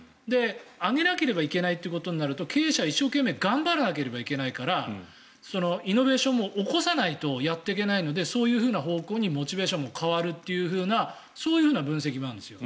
上げなければいけないとなると経営者は一生懸命頑張らないといけないからイノベーションも起こさないとやっていけないのでそういう方向にモチベーションも変わるというふうなそういう分析もあるんですよ。